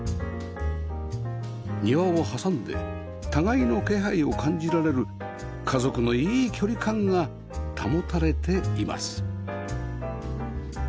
庭を挟んで互いの気配を感じられる家族のいい距離感が保たれています